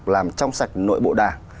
làm trong sạch nội bộ đảng